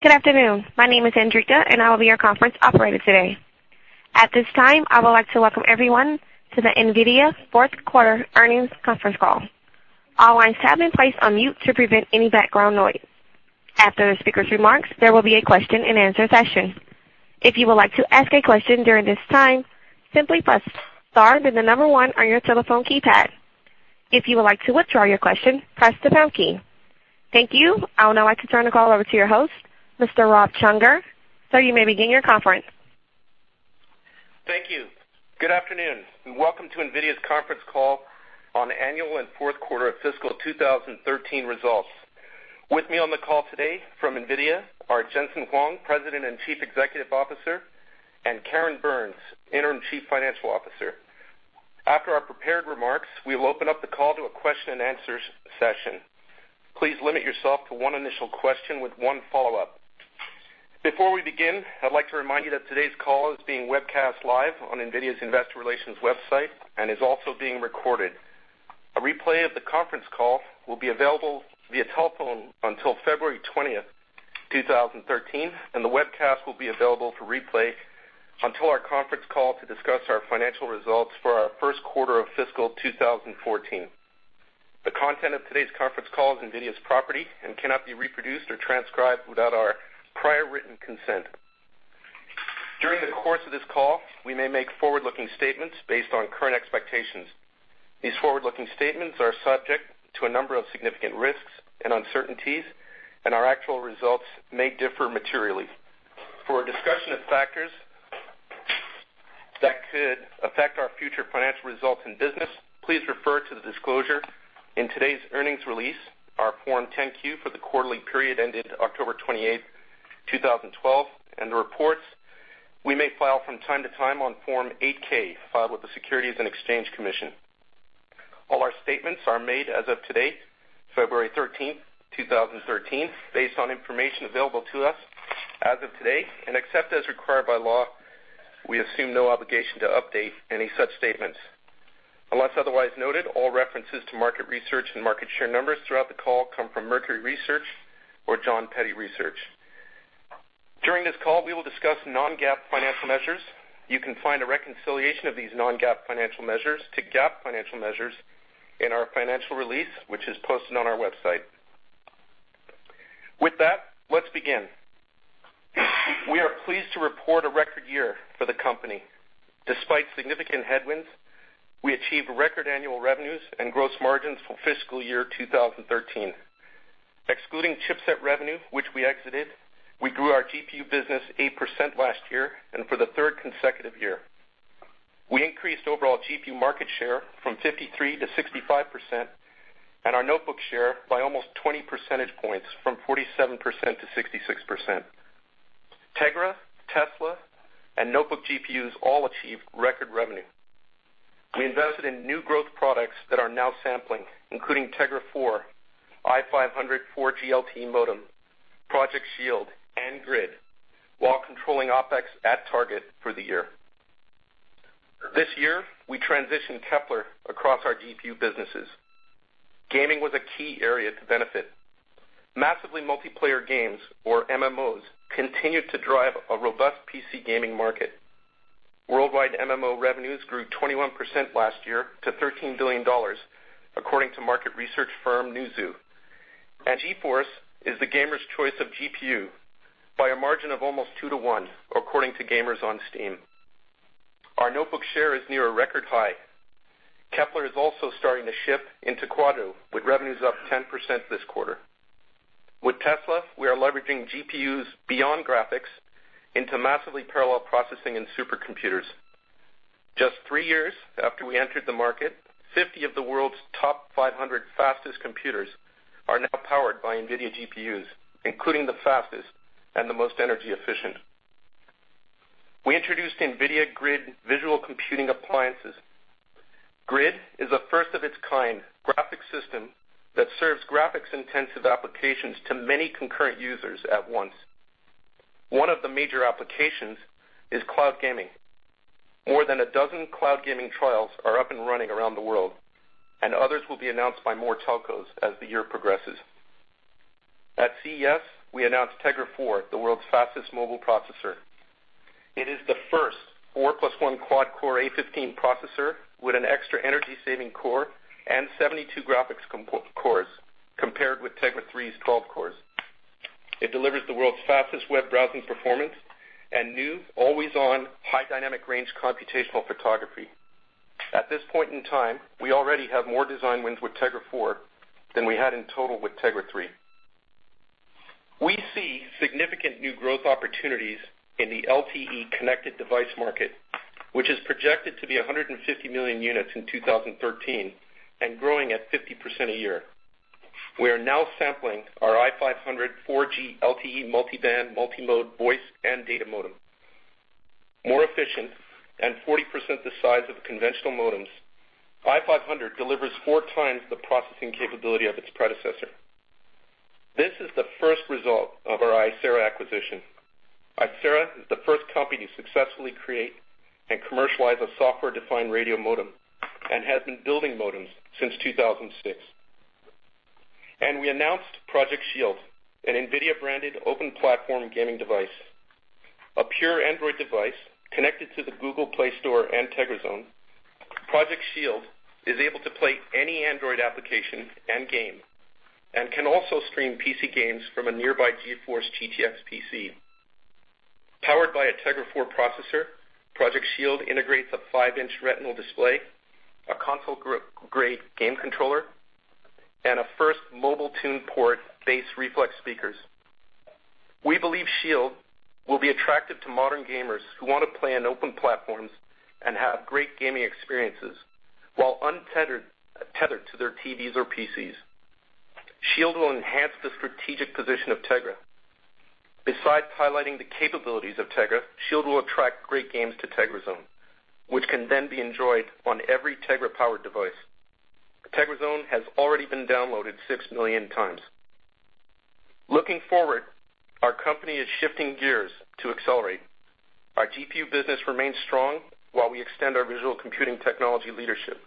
Good afternoon. My name is Andrica, and I will be your conference operator today. At this time, I would like to welcome everyone to the NVIDIA fourth quarter earnings conference call. All lines have been placed on mute to prevent any background noise. After the speaker's remarks, there will be a question and answer session. If you would like to ask a question during this time, simply press star then the number 1 on your telephone keypad. If you would like to withdraw your question, press the pound key. Thank you. I would now like to turn the call over to your host, Mr. Rob Csongor. Sir, you may begin your conference. Thank you. Good afternoon, welcome to NVIDIA's conference call on annual and fourth quarter of fiscal 2013 results. With me on the call today from NVIDIA are Jen-Hsun Huang, President and Chief Executive Officer, and Karen Burns, Interim Chief Financial Officer. After our prepared remarks, we will open up the call to a question and answer session. Please limit yourself to one initial question with one follow-up. Before we begin, I'd like to remind you that today's call is being webcast live on NVIDIA's investor relations website and is also being recorded. A replay of the conference call will be available via telephone until February 20th, 2013, and the webcast will be available for replay until our conference call to discuss our financial results for our first quarter of fiscal 2014. The content of today's conference call is NVIDIA's property and cannot be reproduced or transcribed without our prior written consent. During the course of this call, we may make forward-looking statements based on current expectations. These forward-looking statements are subject to a number of significant risks and uncertainties, and our actual results may differ materially. For a discussion of factors that could affect our future financial results and business, please refer to the disclosure in today's earnings release, our Form 10-Q for the quarterly period ending October 28th, 2012, and the reports we may file from time to time on Form 8-K, filed with the Securities and Exchange Commission. All our statements are made as of today, February 13th, 2013, based on information available to us as of today, except as required by law, we assume no obligation to update any such statements. Unless otherwise noted, all references to market research and market share numbers throughout the call come from Mercury Research or Jon Peddie Research. During this call, we will discuss non-GAAP financial measures. You can find a reconciliation of these non-GAAP financial measures to GAAP financial measures in our financial release, which is posted on our website. With that, let's begin. We are pleased to report a record year for the company. Despite significant headwinds, we achieved record annual revenues and gross margins for fiscal year 2013. Excluding chipset revenue, which we exited, we grew our GPU business 8% last year and for the third consecutive year. We increased overall GPU market share from 53%-65%, and our notebook share by almost 20 percentage points from 47%-66%. Tegra, Tesla, and notebook GPUs all achieved record revenue. We invested in new growth products that are now sampling, including Tegra 4, i500 4G LTE modem, Project SHIELD, and Grid, while controlling OpEx at target for the year. This year, we transitioned Kepler across our GPU businesses. Gaming was a key area to benefit. Massively multiplayer games or MMOs continued to drive a robust PC gaming market. Worldwide MMO revenues grew 21% last year to $13 billion, according to market research firm Newzoo. GeForce is the gamer's choice of GPU by a margin of almost two to one, according to gamers on Steam. Our notebook share is near a record high. Kepler is also starting to ship into Quadro, with revenues up 10% this quarter. With Tesla, we are leveraging GPUs beyond graphics into massively parallel processing and supercomputers. Just three years after we entered the market, 50 of the world's top 500 fastest computers are now powered by NVIDIA GPUs, including the fastest and the most energy efficient. We introduced NVIDIA Grid visual computing appliances. Grid is a first-of-its-kind graphics system that serves graphics-intensive applications to many concurrent users at once. One of the major applications is cloud gaming. More than a dozen cloud gaming trials are up and running around the world, and others will be announced by more telcos as the year progresses. At CES, we announced Tegra 4, the world's fastest mobile processor. It is the first four plus one quad-core A15 processor with an extra energy-saving core and 72 graphics cores compared with Tegra 3's 12 cores. It delivers the world's fastest web browsing performance and new always-on high dynamic range computational photography. At this point in time, we already have more design wins with Tegra 4 than we had in total with Tegra 3. We see significant new growth opportunities in the LTE connected device market, which is projected to be 150 million units in 2013 and growing at 50% a year. We are now sampling our i500 4G LTE multi-band, multi-mode voice, and data modem. More efficient and 40% the size of conventional modems, i500 delivers four times the processing capability of its predecessor. This is the first result of our Icera acquisition. Icera is the first company to successfully create and commercialize a software-defined radio modem and has been building modems since 2006. We announced Project SHIELD, an NVIDIA-branded open platform gaming device. A pure Android device connected to the Google Play Store and TegraZone, Project SHIELD is able to play any Android application and game, and can also stream PC games from a nearby GeForce GTX PC. Powered by a Tegra 4 processor, Project SHIELD integrates a five-inch retinal display, a console-grade game controller, and a first mobile tune port bass reflex speakers. We believe SHIELD will be attractive to modern gamers who want to play on open platforms and have great gaming experiences while untethered to their TVs or PCs. SHIELD will enhance the strategic position of Tegra. Besides highlighting the capabilities of Tegra, SHIELD will attract great games to TegraZone, which can then be enjoyed on every Tegra-powered device. TegraZone has already been downloaded six million times. Looking forward, our company is shifting gears to accelerate. Our GPU business remains strong while we extend our visual computing technology leadership.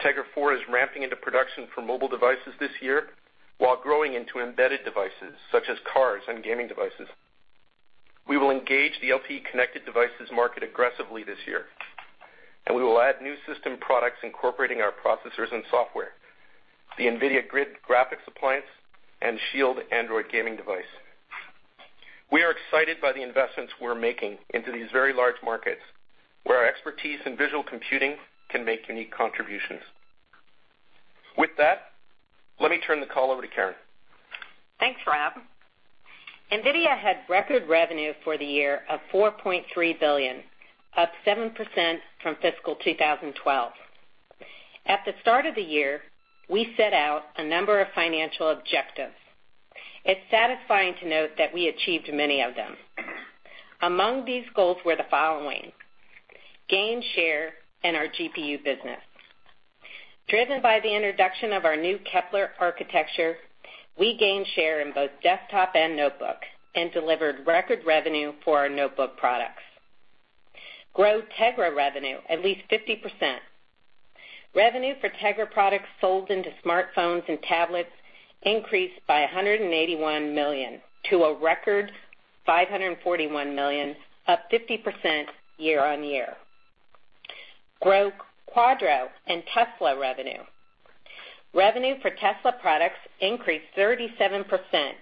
Tegra 4 is ramping into production for mobile devices this year, while growing into embedded devices such as cars and gaming devices. We will engage the LTE connected devices market aggressively this year, and we will add new system products incorporating our processors and software, the NVIDIA Grid graphics appliance, and Shield Android gaming device. We are excited by the investments we're making into these very large markets, where our expertise in visual computing can make unique contributions. With that, let me turn the call over to Karen. Thanks, Rob. NVIDIA had record revenue for the year of $4.3 billion, up 7% from fiscal 2012. At the start of the year, we set out a number of financial objectives. It's satisfying to note that we achieved many of them. Among these goals were the following. Gain share in our GPU business. Driven by the introduction of our new Kepler architecture, we gained share in both desktop and notebook, and delivered record revenue for our notebook products. Grow Tegra revenue at least 50%. Revenue for Tegra products sold into smartphones and tablets increased by $181 million to a record $541 million, up 50% year-on-year. Grow Quadro and Tesla revenue. Revenue for Tesla products increased 37%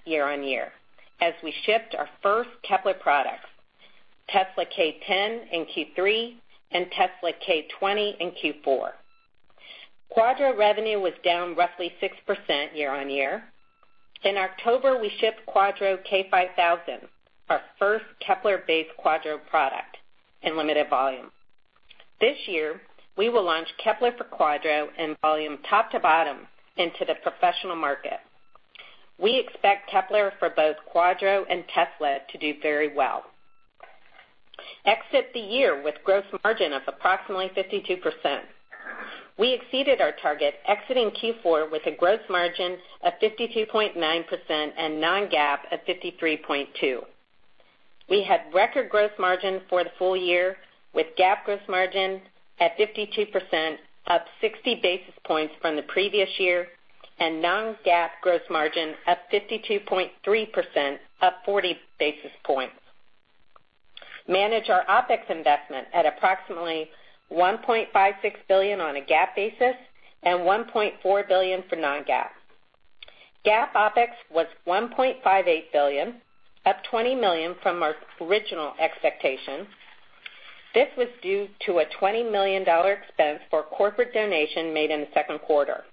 year-on-year as we shipped our first Kepler products, Tesla K10 in Q3 and Tesla K20 in Q4. Quadro revenue was down roughly 6% year-on-year. In October, we shipped Quadro K5000, our first Kepler-based Quadro product, in limited volume. This year, we will launch Kepler for Quadro in volume, top to bottom, into the professional market. We expect Kepler for both Quadro and Tesla to do very well. Exit the year with gross margin of approximately 52%. We exceeded our target exiting Q4 with a gross margin of 52.9% and non-GAAP of 53.2%. We had record gross margin for the full year with GAAP gross margin at 52%, up 60 basis points from the previous year, and non-GAAP gross margin at 52.3%, up 40 basis points. Manage our OpEx investment at approximately $1.56 billion on a GAAP basis and $1.4 billion for non-GAAP. GAAP OpEx was $1.58 billion, up $20 million from our original expectations. This was due to a $20 million expense for corporate donation made in the second quarter.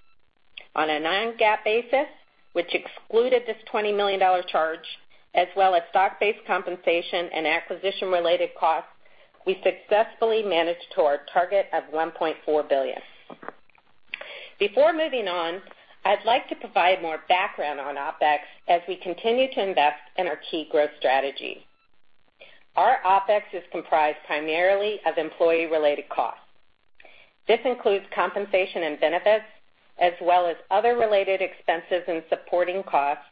On a non-GAAP basis, which excluded this $20 million charge, as well as stock-based compensation and acquisition related costs, we successfully managed to our target of $1.4 billion. Before moving on, I'd like to provide more background on OpEx as we continue to invest in our key growth strategy. Our OpEx is comprised primarily of employee-related costs. This includes compensation and benefits, as well as other related expenses and supporting costs,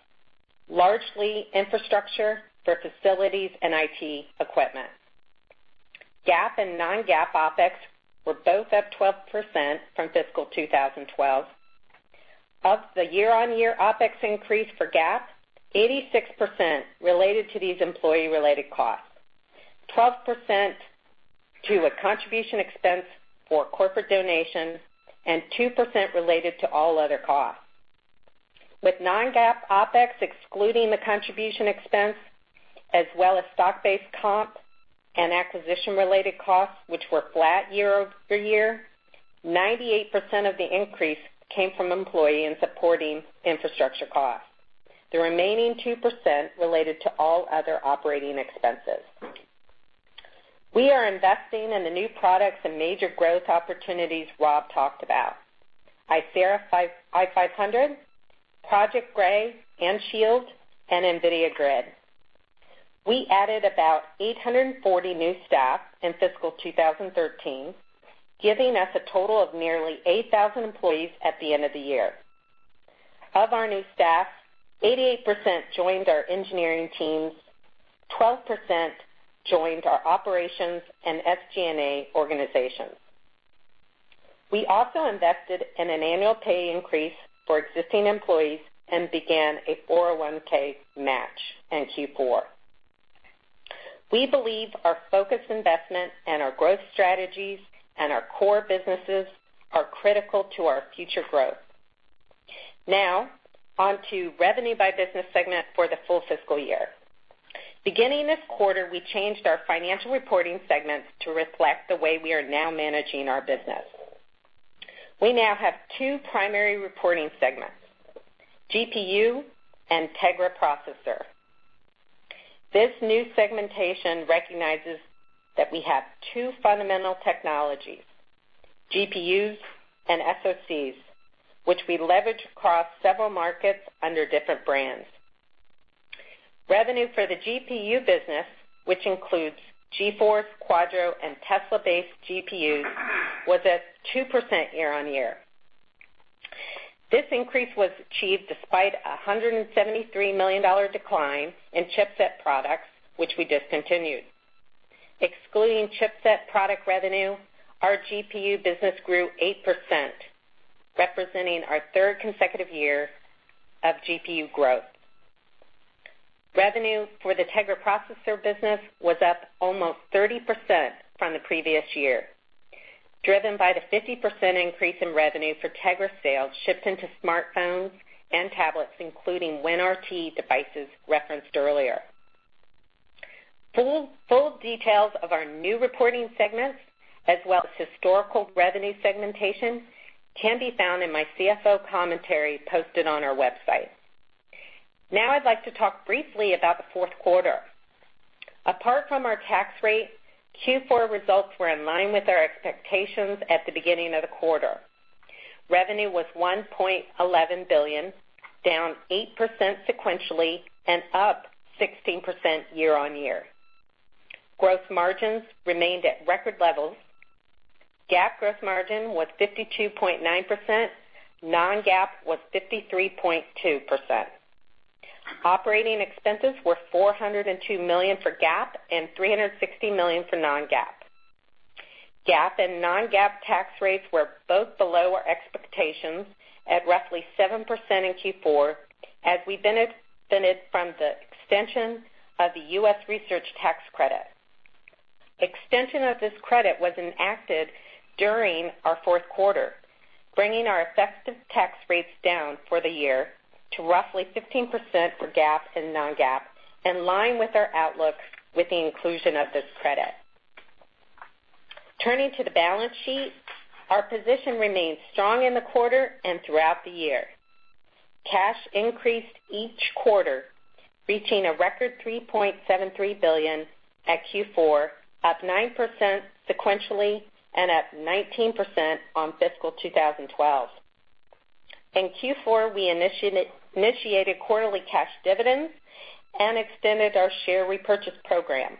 largely infrastructure for facilities and IT equipment. GAAP and non-GAAP OpEx were both up 12% from fiscal 2012. Of the year-on-year OpEx increase for GAAP, 86% related to these employee-related costs, 12% to a contribution expense for corporate donations, and 2% related to all other costs. With non-GAAP OpEx excluding the contribution expense, as well as stock-based comp and acquisition-related costs, which were flat year-over-year, 98% of the increase came from employee and supporting infrastructure costs. The remaining 2% related to all other operating expenses. We are investing in the new products and major growth opportunities Rob talked about. Icera i500, Project Grey and SHIELD, and NVIDIA Grid. We added about 840 new staff in fiscal 2013, giving us a total of nearly 8,000 employees at the end of the year. Of our new staff, 88% joined our engineering teams, 12% joined our operations and SG&A organizations. We also invested in an annual pay increase for existing employees and began a 401 match in Q4. We believe our focused investment and our growth strategies and our core businesses are critical to our future growth. Onto revenue by business segment for the full fiscal year. Beginning this quarter, we changed our financial reporting segments to reflect the way we are now managing our business. We now have two primary reporting segments, GPU and Tegra Processor. This new segmentation recognizes that we have two fundamental technologies, GPUs and SoCs, which we leverage across several markets under different brands. Revenue for the GPU business, which includes GeForce, Quadro, and Tesla-based GPUs, was at 2% year-on-year. This increase was achieved despite $173 million decline in chipset products, which we discontinued. Excluding chipset product revenue, our GPU business grew 8%, representing our third consecutive year of GPU growth. Revenue for the Tegra Processor business was up almost 30% from the previous year, driven by the 50% increase in revenue for Tegra sales shipped into smartphones and tablets, including WinRT devices referenced earlier. Full details of our new reporting segments as well as historical revenue segmentation can be found in my CFO commentary posted on our website. I'd like to talk briefly about the fourth quarter. Apart from our tax rate, Q4 results were in line with our expectations at the beginning of the quarter. Revenue was $1.11 billion, down 8% sequentially and up 16% year-on-year. Gross margins remained at record levels. GAAP gross margin was 52.9%, non-GAAP was 53.2%. Operating expenses were $402 million for GAAP and $360 million for non-GAAP. GAAP and non-GAAP tax rates were both below our expectations at roughly 7% in Q4 as we benefited from the extension of the U.S. Research Tax Credit. Extension of this credit was enacted during our fourth quarter, bringing our effective tax rates down for the year to roughly 15% for GAAP and non-GAAP, in line with our outlook with the inclusion of this credit. Turning to the balance sheet, our position remained strong in the quarter and throughout the year. Cash increased each quarter, reaching a record $3.73 billion at Q4, up 9% sequentially and up 19% on fiscal 2012. In Q4, we initiated quarterly cash dividends and extended our share repurchase program.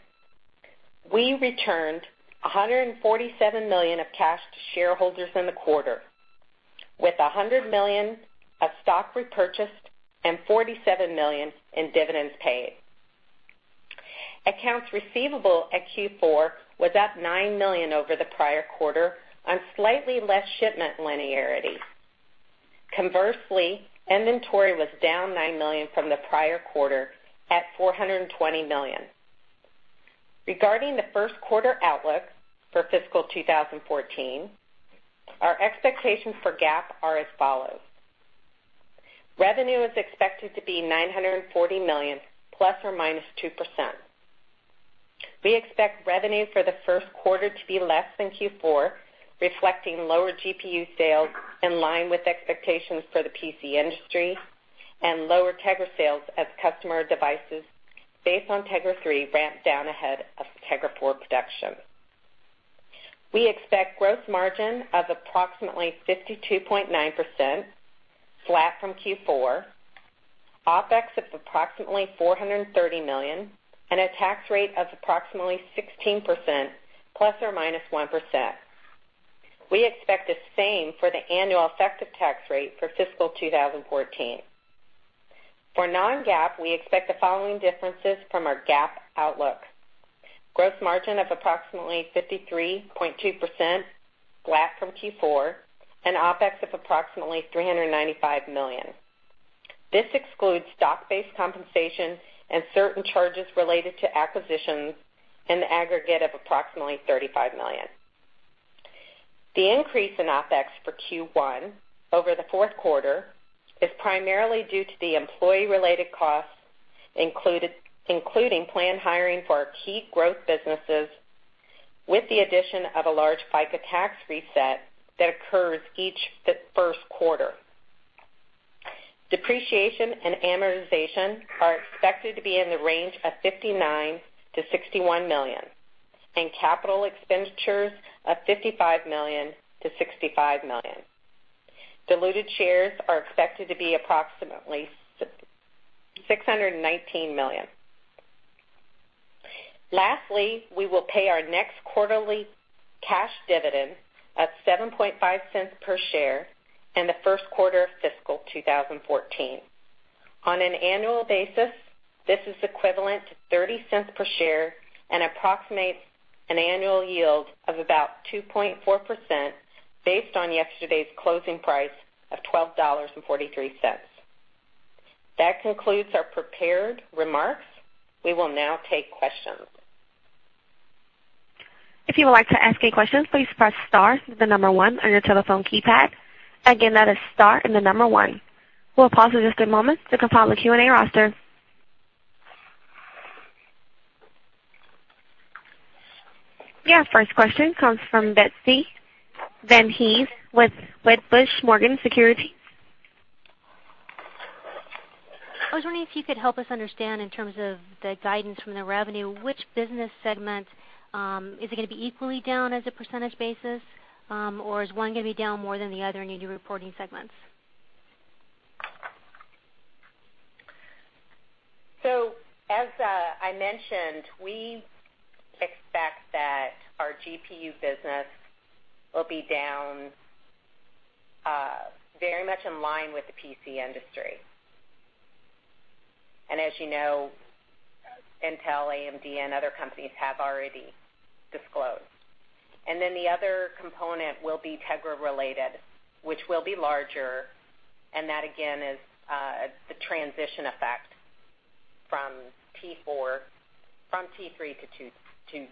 We returned $147 million of cash to shareholders in the quarter, with $100 million of stock repurchased and $47 million in dividends paid. Accounts receivable at Q4 was up $9 million over the prior quarter on slightly less shipment linearity. Conversely, inventory was down $9 million from the prior quarter at $420 million. Regarding the first quarter outlook for fiscal 2014, our expectations for GAAP are as follows. Revenue is expected to be $940 million ±2%. We expect revenue for the first quarter to be less than Q4, reflecting lower GPU sales in line with expectations for the PC industry and lower Tegra sales as customer devices based on Tegra 3 ramped down ahead of Tegra 4 production. We expect gross margin of approximately 52.9%, flat from Q4, OpEx of approximately $430 million, and a tax rate of approximately 16% ±1%. We expect the same for the annual effective tax rate for fiscal 2014. For non-GAAP, we expect the following differences from our GAAP outlook. Gross margin of approximately 53.2%, flat from Q4, and OpEx of approximately $395 million. This excludes stock-based compensation and certain charges related to acquisitions in the aggregate of approximately $35 million. The increase in OpEx for Q1 over the fourth quarter is primarily due to the employee-related costs, including planned hiring for our key growth businesses, with the addition of a large FICA tax reset that occurs each first quarter. Depreciation and amortization are expected to be in the range of $59 million-$61 million, and capital expenditures of $55 million-$65 million. Diluted shares are expected to be approximately 619 million. Lastly, we will pay our next quarterly cash dividend of $0.075 per share in the first quarter of fiscal 2014. On an annual basis, this is equivalent to $0.30 per share and approximates an annual yield of about 2.4% based on yesterday's closing price of $12.43. That concludes our prepared remarks. We will now take questions. If you would like to ask any questions, please press star, then the number 1 on your telephone keypad. Again, that is star and the number 1. We will pause for just a moment to compile a Q&A roster. First question comes from Betsy Van Hees with Wedbush Morgan Securities. I was wondering if you could help us understand in terms of the guidance from the revenue, which business segment, is it going to be equally down as a percentage basis? Or is one going to be down more than the other in your reporting segments? As I mentioned, we expect that our GPU business will be down very much in line with the PC industry. As you know, Intel, AMD, and other companies have already disclosed. The other component will be Tegra related, which will be larger, and that again is the transition effect from T3 to Tegra 4.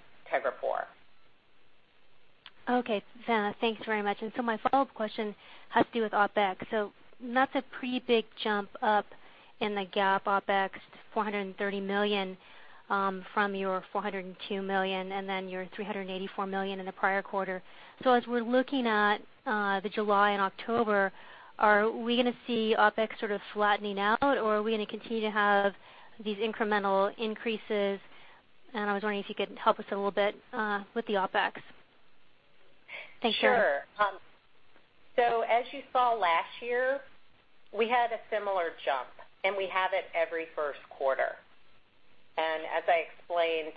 Okay. Thanks very much. My follow-up question has to do with OpEx. Not the pretty big jump up in the GAAP OpEx to $430 million from your $402 million, and then your $384 million in the prior quarter. As we're looking at the July and October, are we going to see OpEx sort of flattening out or are we going to continue to have these incremental increases? I was wondering if you could help us a little bit with the OpEx. Thank you. Sure. As you saw last year, we had a similar jump, and we have it every first quarter. As I explained,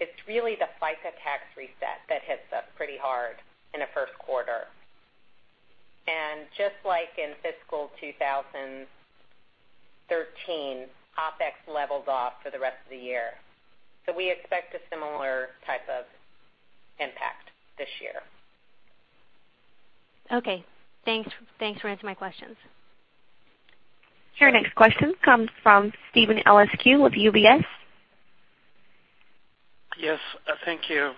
it's really the FICA tax reset that hits us pretty hard in the first quarter. Just like in fiscal 2013, OpEx leveled off for the rest of the year. We expect a similar type of impact this year. Okay. Thanks for answering my questions. Your next question comes from Stephen Oleszkowicz of UBS. Yes. Thank you.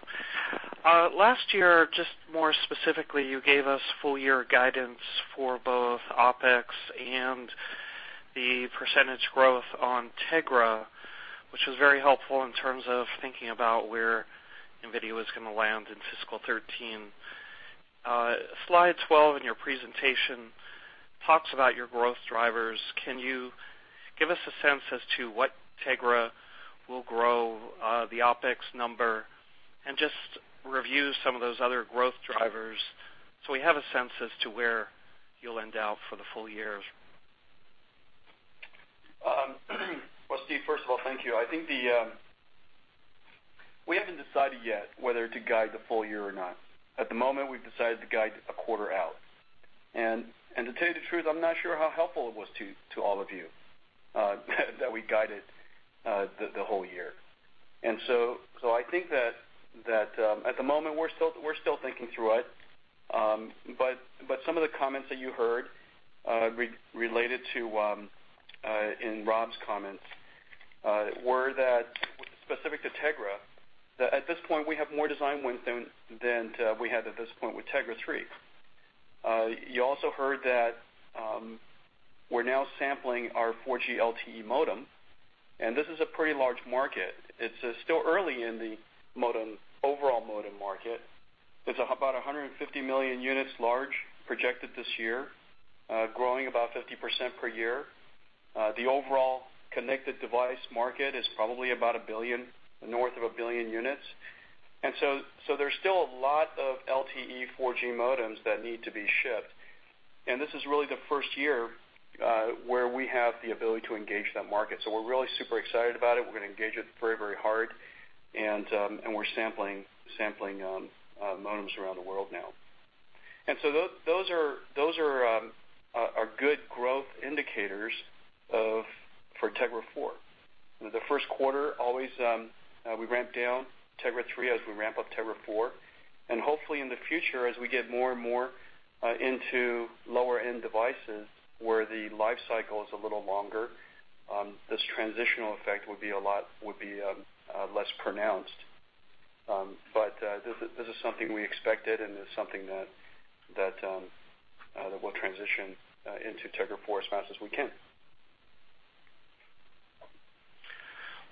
Last year, just more specifically, you gave us full year guidance for both OpEx and the percentage growth on Tegra, which was very helpful in terms of thinking about where NVIDIA was going to land in fiscal 2013. Slide 12 in your presentation talks about your growth drivers. Can you give us a sense as to what Tegra will grow, the OpEx number, and just review some of those other growth drivers so we have a sense as to where you'll end out for the full year? Well, Steve, first of all, thank you. We haven't decided yet whether to guide the full year or not. At the moment, we've decided to guide a quarter out. To tell you the truth, I'm not sure how helpful it was to all of you that we guided the whole year. I think that at the moment, we're still thinking through it. Some of the comments that you heard related in Rob's comments were that specific to Tegra, that at this point we have more design wins than we had at this point with Tegra 3. You also heard that we're now sampling our 4G LTE modem, and this is a pretty large market. It's still early in the overall modem market. It's about 150 million units large projected this year, growing about 50% per year. The overall connected device market is probably about north of a billion units. There's still a lot of LTE 4G modems that need to be shipped, and this is really the first year where we have the ability to engage that market. We're really super excited about it. We're going to engage it very hard and we're sampling modems around the world now. Those are our good growth indicators for Tegra 4. The first quarter, always we ramp down Tegra 3 as we ramp up Tegra 4. Hopefully in the future, as we get more and more into lower-end devices where the life cycle is a little longer, this transitional effect would be less pronounced. This is something we expected, and this is something that we'll transition into Tegra 4 as fast as we can.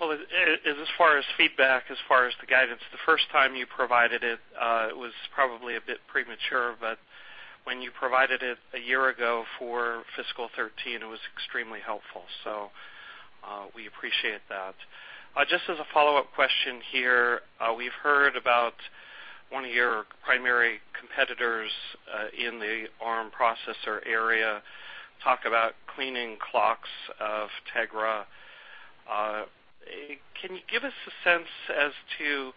As far as feedback, as far as the guidance, the first time you provided it was probably a bit premature, but when you provided it a year ago for fiscal 2013, it was extremely helpful. We appreciate that. Just as a follow-up question here, we've heard about one of your primary competitors in the ARM processor area talk about cleaning clocks of Tegra. Can you give us a sense as to,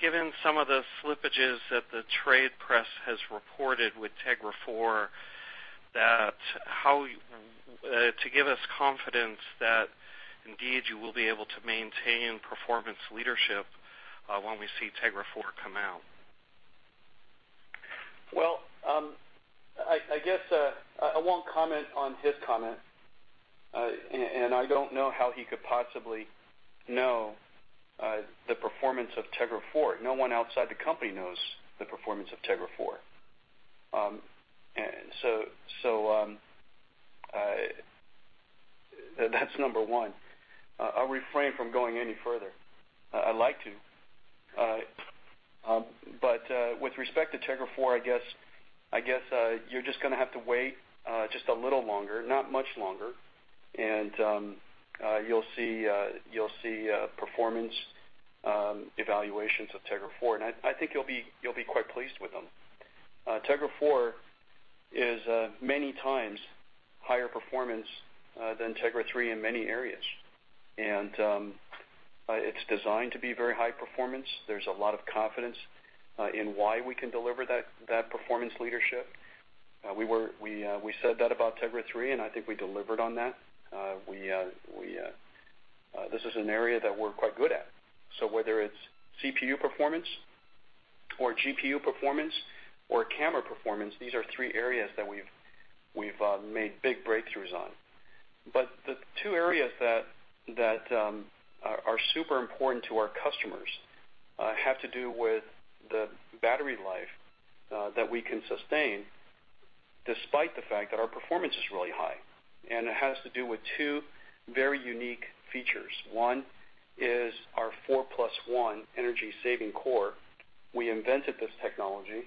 given some of the slippages that the trade press has reported with Tegra 4, to give us confidence that indeed you will be able to maintain performance leadership when we see Tegra 4 come out? I guess I won't comment on his comment. I don't know how he could possibly know the performance of Tegra 4. No one outside the company knows the performance of Tegra 4. That's number one. I'll refrain from going any further. I'd like to, but with respect to Tegra 4, I guess you're just going to have to wait just a little longer, not much longer, and you'll see performance evaluations of Tegra 4, and I think you'll be quite pleased with them. Tegra 4 is many times higher performance than Tegra 3 in many areas, and it's designed to be very high performance. There's a lot of confidence in why we can deliver that performance leadership. We said that about Tegra 3, and I think we delivered on that. This is an area that we're quite good at. Whether it's CPU performance or GPU performance or camera performance, these are three areas that we've made big breakthroughs on. The two areas that are super important to our customers have to do with the battery life that we can sustain, despite the fact that our performance is really high, and it has to do with two very unique features. One is our four plus one energy-saving core. We invented this technology,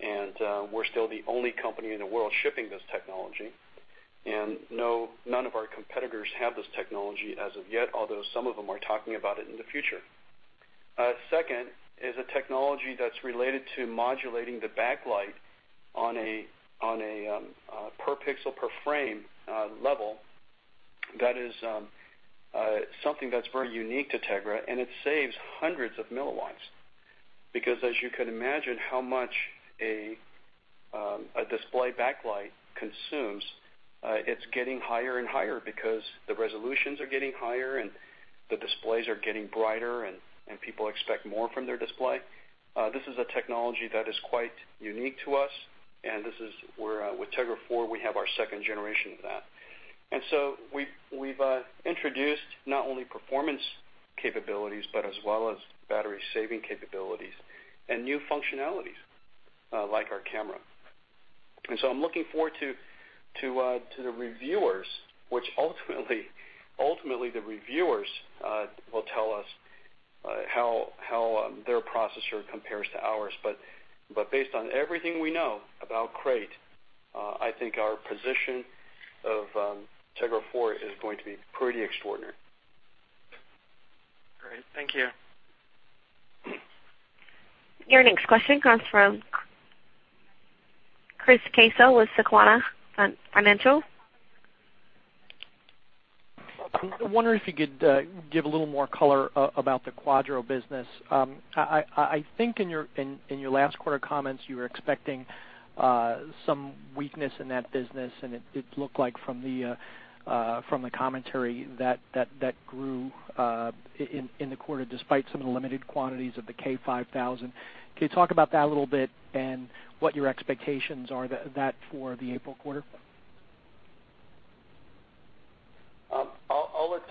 and we're still the only company in the world shipping this technology, and none of our competitors have this technology as of yet, although some of them are talking about it in the future. Second is a technology that's related to modulating the backlight on a per-pixel, per-frame level. That is something that's very unique to Tegra, and it saves hundreds of milliwatts, because as you can imagine how much a display backlight consumes, it's getting higher and higher because the resolutions are getting higher, and the displays are getting brighter, and people expect more from their display. This is a technology that is quite unique to us, and with Tegra 4, we have our second generation of that. We've introduced not only performance capabilities, but as well as battery-saving capabilities and new functionalities like our camera. I'm looking forward to the reviewers. Ultimately, the reviewers will tell us how their processor compares to ours. Based on everything we know about Krait, I think our position of Tegra 4 is going to be pretty extraordinary. Great. Thank you. Your next question comes from Chris Caso with Susquehanna Financial Group. I wonder if you could give a little more color about the Quadro business. I think in your last quarter comments, you were expecting some weakness in that business, and it looked like from the commentary that grew in the quarter, despite some of the limited quantities of the K5000. Can you talk about that a little bit and what your expectations are for the April quarter?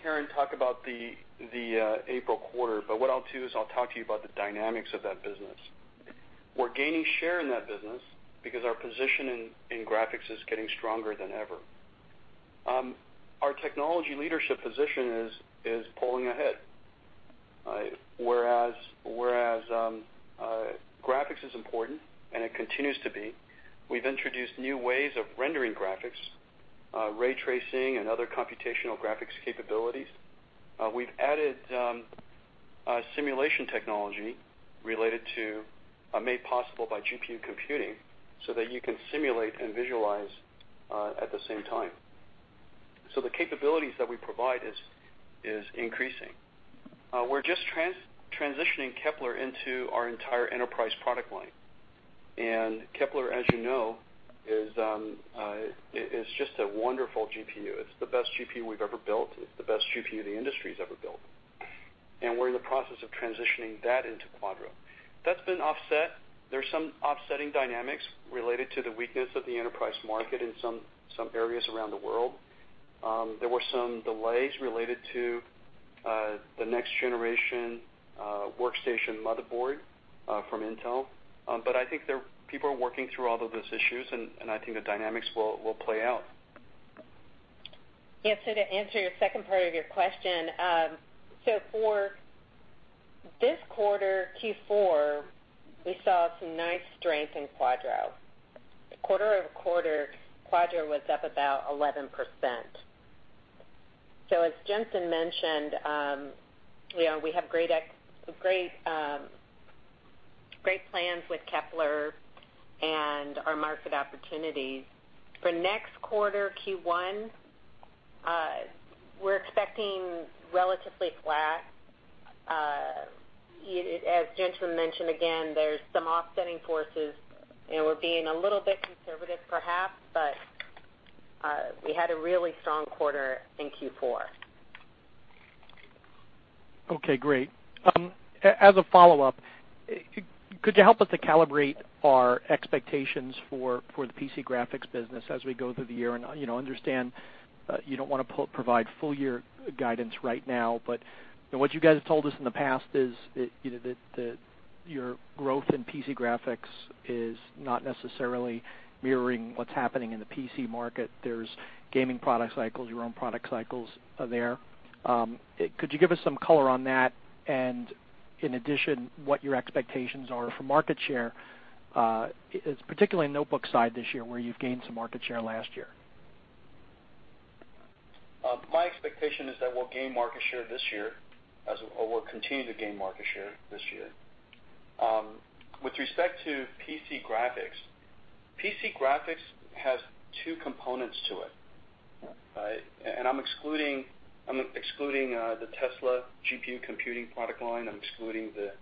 I'll let Karen talk about the April quarter. What I'll do is I'll talk to you about the dynamics of that business. We're gaining share in that business because our position in graphics is getting stronger than ever. Our technology leadership position is pulling ahead. Whereas graphics is important, and it continues to be, we've introduced new ways of rendering graphics, ray tracing, and other computational graphics capabilities. We've added simulation technology made possible by GPU computing so that you can simulate and visualize at the same time. The capabilities that we provide is increasing. We're just transitioning Kepler into our entire enterprise product line. Kepler, as you know, is just a wonderful GPU. It's the best GPU we've ever built. It's the best GPU the industry's ever built. We're in the process of transitioning that into Quadro. That's been offset. There's some offsetting dynamics related to the weakness of the enterprise market in some areas around the world. There were some delays related to the next generation workstation motherboard from Intel. I think people are working through all of those issues, and I think the dynamics will play out. Yeah. To answer your second part of your question, so for this quarter, Q4, we saw some nice strength in Quadro. Quarter-over-quarter, Quadro was up about 11%. As Jen-Hsun mentioned, we have great plans with Kepler and our market opportunities. For next quarter, Q1, we're expecting relatively flat. As Jen-Hsun mentioned again, there's some offsetting forces, and we're being a little bit conservative perhaps, but we had a really strong quarter in Q4. Okay, great. As a follow-up, could you help us to calibrate our expectations for the PC graphics business as we go through the year? I understand you don't want to provide full-year guidance right now, but what you guys have told us in the past is that your growth in PC graphics is not necessarily mirroring what's happening in the PC market. There's gaming product cycles, your own product cycles are there. Could you give us some color on that, and in addition, what your expectations are for market share, particularly in notebook side this year, where you've gained some market share last year? My expectation is that we'll gain market share this year, or we'll continue to gain market share this year. With respect to PC graphics, PC graphics has two components to it. I'm excluding the Tesla GPU computing product line. I'm excluding the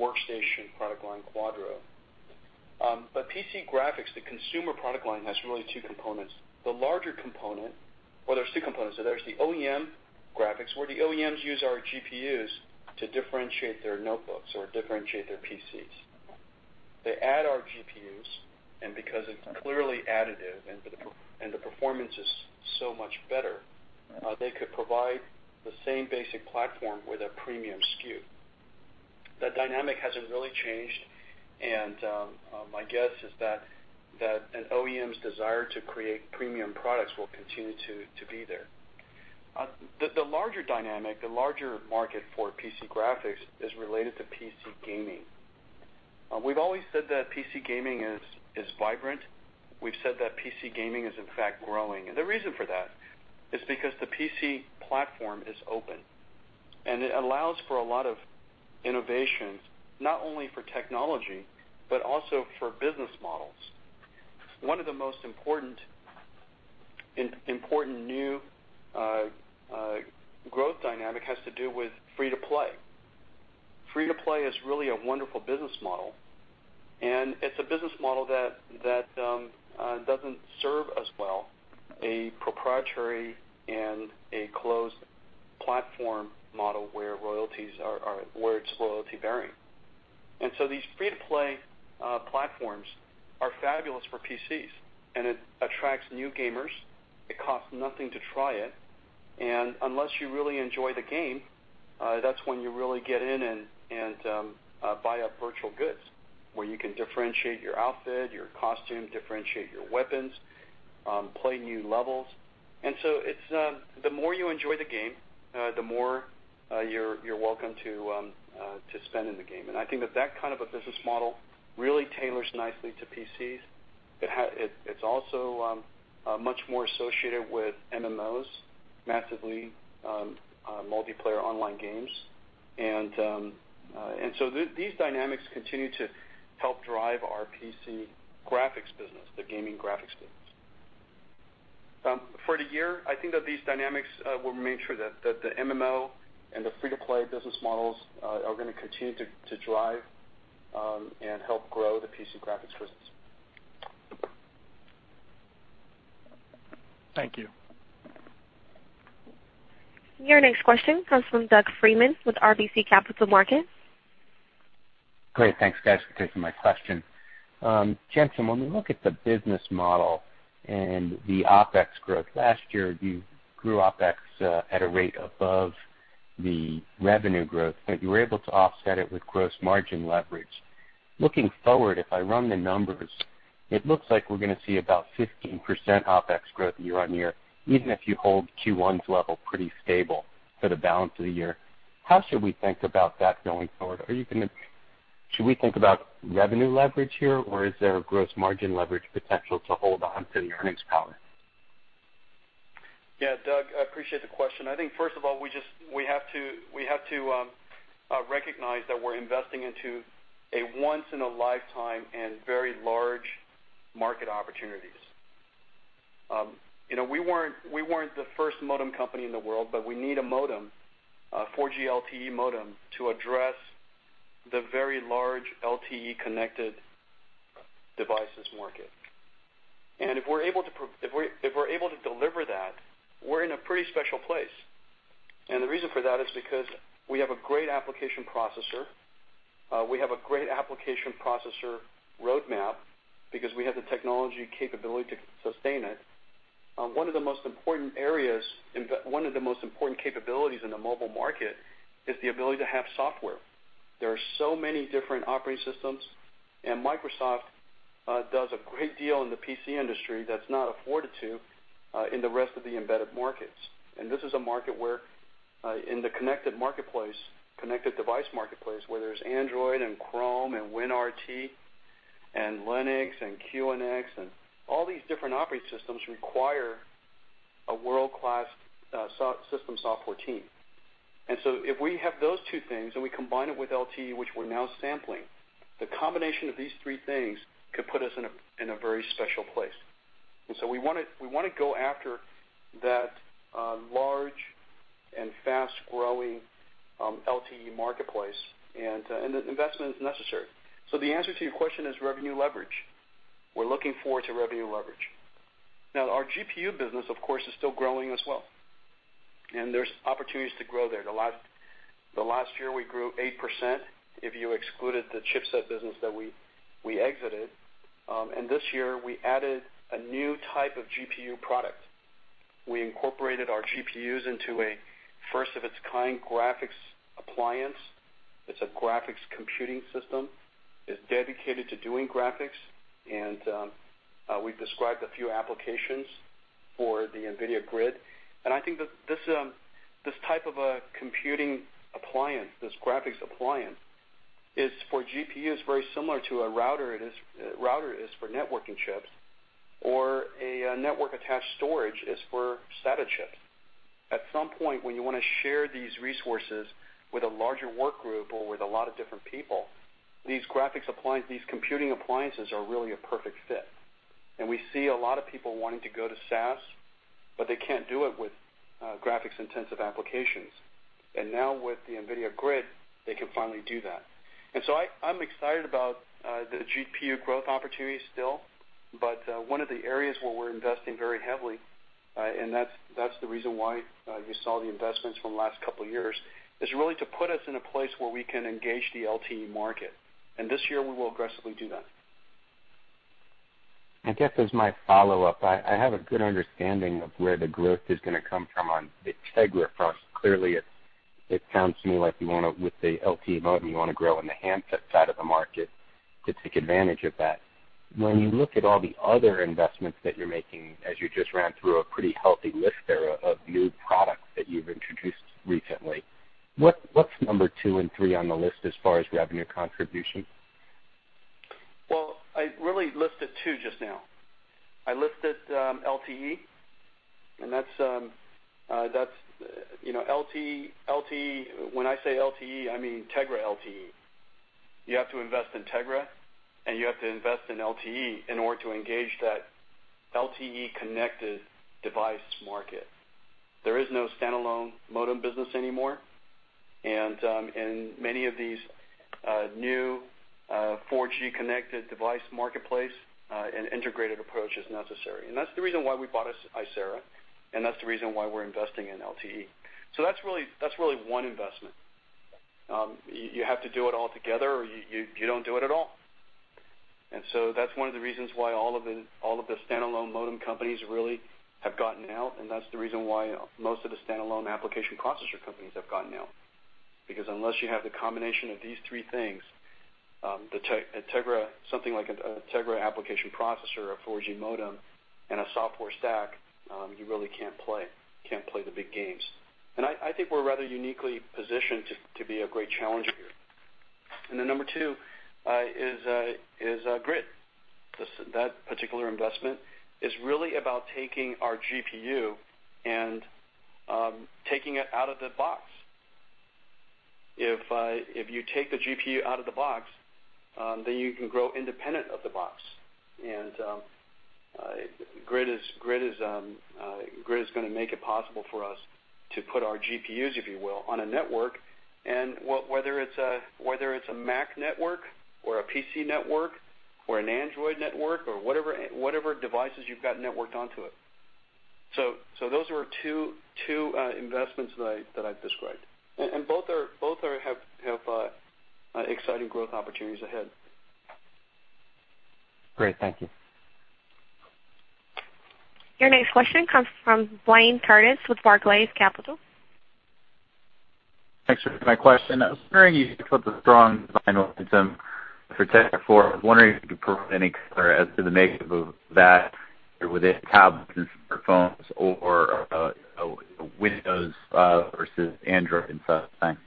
workstation product line, Quadro. PC graphics, the consumer product line, has really two components. The larger component, or there's two components, there's the OEM graphics, where the OEMs use our GPUs to differentiate their notebooks or differentiate their PCs. They add our GPUs, and because it's clearly additive and the performance is so much better, they could provide the same basic platform with a premium SKU. That dynamic hasn't really changed, and my guess is that an OEM's desire to create premium products will continue to be there. The larger dynamic, the larger market for PC graphics is related to PC gaming. We've always said that PC gaming is vibrant. We've said that PC gaming is, in fact, growing. The reason for that is because the PC platform is open, and it allows for a lot of innovations, not only for technology, but also for business models. One of the most important new growth dynamic has to do with free-to-play. Free-to-play is really a wonderful business model, and it's a business model that doesn't serve as well a proprietary and a closed platform model where it's royalty-bearing. These free-to-play platforms are fabulous for PCs, and it attracts new gamers. It costs nothing to try it. Unless you really enjoy the game, that's when you really get in and buy up virtual goods, where you can differentiate your outfit, your costume, differentiate your weapons, play new levels. The more you enjoy the game, the more you're welcome to spend in the game. I think that that kind of a business model really tailors nicely to PCs. It's also much more associated with MMOs, massively multiplayer online games. These dynamics continue to help drive our PC graphics business, the gaming graphics business. For the year, I think that these dynamics will make sure that the MMO and the free-to-play business models are going to continue to drive and help grow the PC graphics business. Thank you. Your next question comes from Doug Freedman with RBC Capital Markets. Great. Thanks, guys, for taking my question. Jensen, when we look at the business model and the OpEx growth, last year, you grew OpEx at a rate above the revenue growth, you were able to offset it with gross margin leverage. Looking forward, if I run the numbers, it looks like we're going to see about 15% OpEx growth year-on-year, even if you hold Q1's level pretty stable for the balance of the year. How should we think about that going forward? Should we think about revenue leverage here, or is there a gross margin leverage potential to hold onto the earnings power? Yeah, Doug, I appreciate the question. I think, first of all, we have to recognize that we're investing into a once-in-a-lifetime and very large market opportunities. We weren't the first modem company in the world, we need a modem, a 4G LTE modem, to address the very large LTE-connected devices market. If we're able to deliver that, we're in a pretty special place. The reason for that is because we have a great application processor. We have a great application processor roadmap because we have the technology capability to sustain it. One of the most important capabilities in the mobile market is the ability to have software. There are so many different operating systems, and Microsoft does a great deal in the PC industry that's not afforded to in the rest of the embedded markets. This is a market where in the connected device marketplace, where there's Android and Chrome and WinRT and Linux and QNX and all these different operating systems require a world-class system software team. If we have those two things and we combine it with LTE, which we're now sampling, the combination of these three things could put us in a very special place. We want to go after that large and fast-growing LTE marketplace, and the investment is necessary. The answer to your question is revenue leverage. We're looking forward to revenue leverage. Now, our GPU business, of course, is still growing as well, and there's opportunities to grow there. Last year, we grew 8%, if you excluded the chipset business that we exited. This year, we added a new type of GPU product. We incorporated our GPUs into a first-of-its-kind graphics appliance. It's a graphics computing system. It's dedicated to doing graphics, and we've described a few applications for the NVIDIA GRID. I think this type of a computing appliance, this graphics appliance, is for GPUs very similar to a router is for networking chips, or a network-attached storage is for SATA chips. At some point, when you want to share these resources with a larger work group or with a lot of different people, these graphics appliances, these computing appliances are really a perfect fit. We see a lot of people wanting to go to SaaS, but they can't do it with graphics-intensive applications. Now with the NVIDIA GRID, they can finally do that. I'm excited about the GPU growth opportunity still, but one of the areas where we're investing very heavily, and that's the reason why you saw the investments from the last couple of years, is really to put us in a place where we can engage the LTE market. This year we will aggressively do that. I guess as my follow-up, I have a good understanding of where the growth is going to come from on the Tegra front. Clearly, it sounds to me like you want to, with the LTE modem, you want to grow in the handset side of the market to take advantage of that. When you look at all the other investments that you're making, as you just ran through a pretty healthy list there of new products that you've introduced recently, what's number 2 and 3 on the list as far as revenue contribution? Well, I really listed two just now. I listed LTE, and when I say LTE, I mean Tegra LTE. You have to invest in Tegra, and you have to invest in LTE in order to engage that LTE-connected device market. There is no standalone modem business anymore, and in many of these new 4G-connected device marketplace, an integrated approach is necessary. That's the reason why we bought Icera, and that's the reason why we're investing in LTE. That's really one investment. You have to do it all together, or you don't do it at all. That's one of the reasons why all of the standalone modem companies really have gotten out, and that's the reason why most of the standalone application processor companies have gotten out. Unless you have the combination of these three things, something like a Tegra application processor, a 4G modem, and a software stack, you really can't play the big games. I think we're rather uniquely positioned to be a great challenger here. Number 2 is GRID. That particular investment is really about taking our GPU and taking it out of the box. If you take the GPU out of the box, then you can grow independent of the box. GRID is going to make it possible for us to put our GPUs, if you will, on a network, and whether it's a Mac network or a PC network or an Android network or whatever devices you've got networked onto it. Those are two investments that I've described, and both have exciting growth opportunities ahead. Great. Thank you. Your next question comes from Blayne Curtis with Barclays Capital. Thanks for taking my question. I was wondering, you put the strong design for Tegra 4. I was wondering if you could provide any color as to the makeup of that, or was it tablets or phones or Windows versus Android and so on. Thanks.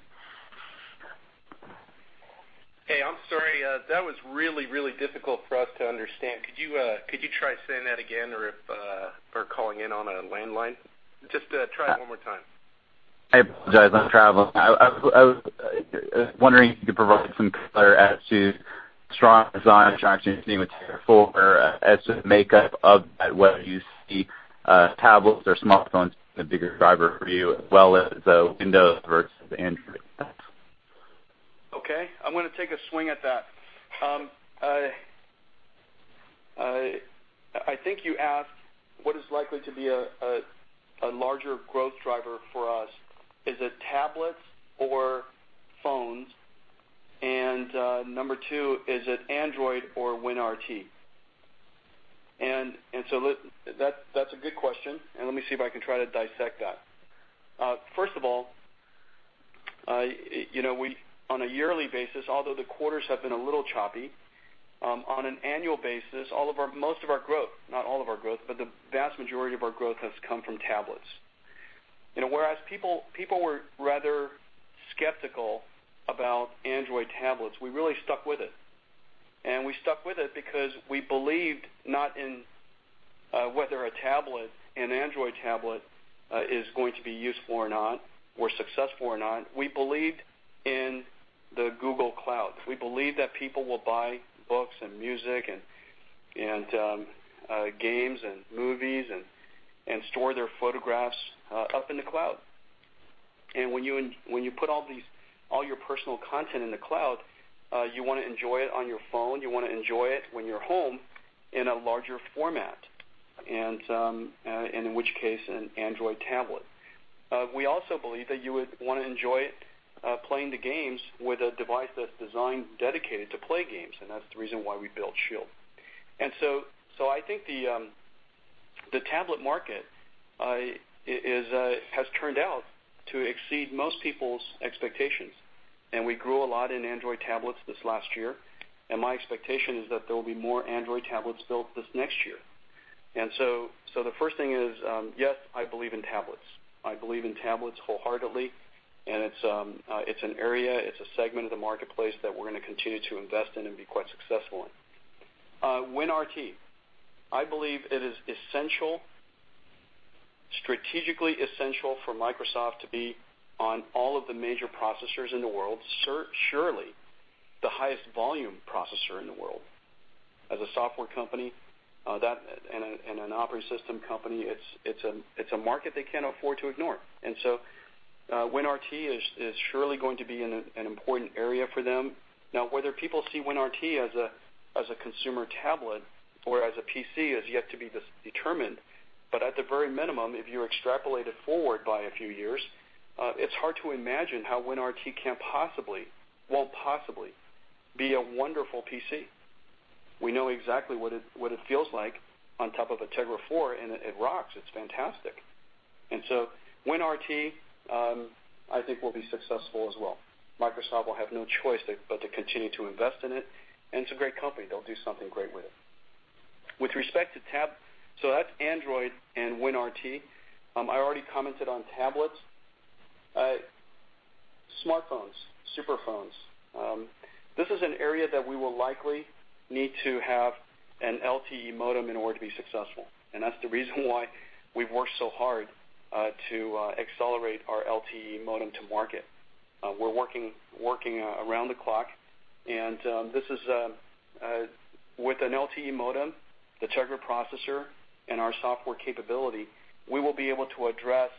Hey, I'm sorry. That was really difficult for us to understand. Could you try saying that again or calling in on a landline? Just try it one more time. I apologize. I'm traveling. I was wondering if you could provide some color as to strong design attractions being with Tegra 4, as to the makeup of that, whether you see tablets or smartphones as the bigger driver for you, as well as Windows versus Android. Thanks. Okay. I'm going to take a swing at that. I think you asked what is likely to be a larger growth driver for us. Is it tablets or phones? Number 2, is it Android or WinRT? That's a good question, let me see if I can try to dissect that. First of all, on a yearly basis, although the quarters have been a little choppy, on an annual basis, most of our growth, not all of our growth, but the vast majority of our growth has come from tablets. Whereas people were rather skeptical about Android tablets, we really stuck with it. We stuck with it because we believed not in whether an Android tablet is going to be useful or not, or successful or not. We believed in the Google Cloud. We believe that people will buy books and music and games and movies and store their photographs up in the cloud. When you put all your personal content in the cloud, you want to enjoy it on your phone, you want to enjoy it when you're home in a larger format, and in which case, an Android tablet. We also believe that you would want to enjoy playing the games with a device that's designed dedicated to play games, and that's the reason why we built Shield. I think the tablet market has turned out to exceed most people's expectations, we grew a lot in Android tablets this last year. My expectation is that there will be more Android tablets built this next year. The first thing is, yes, I believe in tablets. I believe in tablets wholeheartedly, and it's an area, it's a segment of the marketplace that we're going to continue to invest in and be quite successful in. WinRT. I believe it is strategically essential for Microsoft to be on all of the major processors in the world, surely the highest volume processor in the world. As a software company, and an operating system company, it's a market they can't afford to ignore. WinRT is surely going to be an important area for them. Now, whether people see WinRT as a consumer tablet or as a PC is yet to be determined, but at the very minimum, if you extrapolate it forward by a few years, it's hard to imagine how WinRT won't possibly be a wonderful PC. We know exactly what it feels like on top of a Tegra 4, and it rocks. It's fantastic. WinRT, I think will be successful as well. Microsoft will have no choice but to continue to invest in it, and it's a great company. They'll do something great with it. That's Android and WinRT. I already commented on tablets. Smartphones, super phones. This is an area that we will likely need to have an LTE modem in order to be successful, and that's the reason why we've worked so hard to accelerate our LTE modem to market. We're working around the clock, and with an LTE modem, the Tegra processor, and our software capability, we will be able to address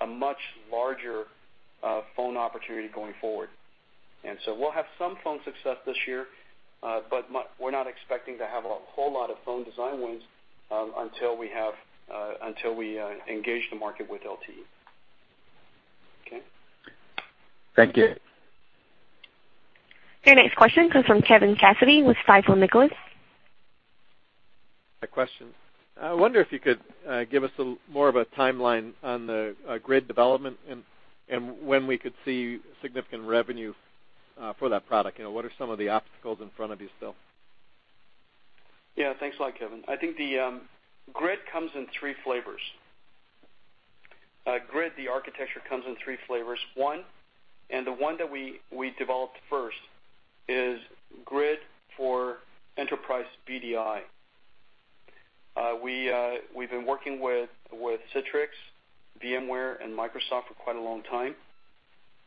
a much larger phone opportunity going forward. We'll have some phone success this year, but we're not expecting to have a whole lot of phone design wins until we engage the market with LTE. Okay? Thank you. Your next question comes from Kevin Cassidy with Stifel Nicolaus. A question. I wonder if you could give us more of a timeline on the Grid development and when we could see significant revenue for that product. What are some of the obstacles in front of you still? Yeah, thanks a lot, Kevin. I think the Grid comes in three flavors. Grid, the architecture comes in three flavors. One, the one that we developed first is Grid for enterprise VDI. We've been working with Citrix, VMware, and Microsoft for quite a long time.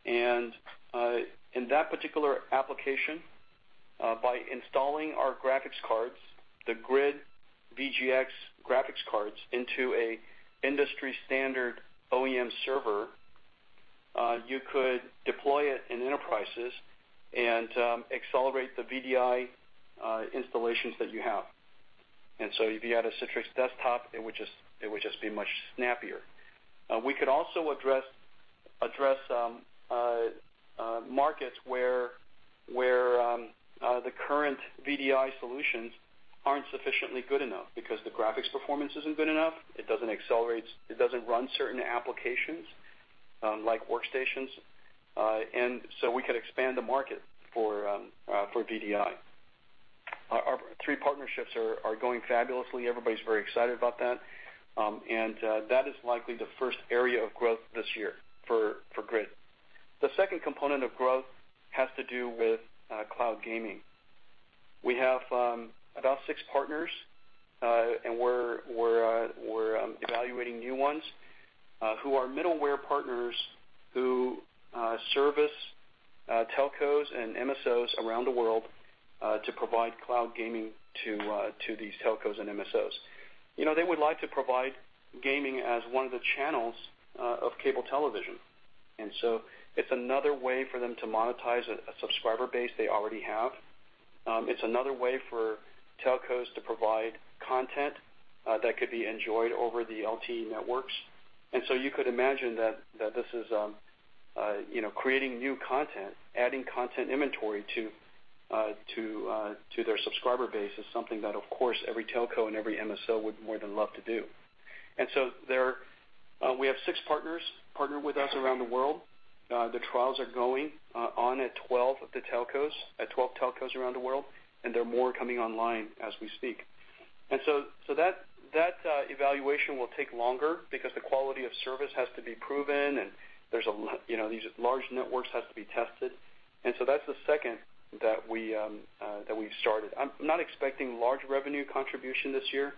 In that particular application, by installing our graphics cards, the Grid VGX graphics cards into an industry-standard OEM server, you could deploy it in enterprises and accelerate the VDI installations that you have. If you had a Citrix desktop, it would just be much snappier. We could also address markets where the current VDI solutions aren't sufficiently good enough because the graphics performance isn't good enough. It doesn't run certain applications like workstations. We could expand the market for VDI. Our three partnerships are going fabulously. Everybody's very excited about that. That is likely the first area of growth this year for Grid. The second component of growth has to do with cloud gaming. We have about six partners, and we're evaluating new ones who are middleware partners who service telcos and MSOs around the world to provide cloud gaming to these telcos and MSOs. They would like to provide gaming as one of the channels of cable television, it's another way for them to monetize a subscriber base they already have. It's another way for telcos to provide content that could be enjoyed over the LTE networks. You could imagine that this is creating new content, adding content inventory to their subscriber base is something that, of course, every telco and every MSO would more than love to do. We have six partners partnered with us around the world. The trials are going on at 12 of the telcos, at 12 telcos around the world, there are more coming online as we speak. That evaluation will take longer because the quality of service has to be proven, and these large networks have to be tested. That's the second that we've started. I'm not expecting large revenue contribution this year,